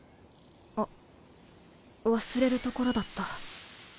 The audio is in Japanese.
あっ忘れるところだった。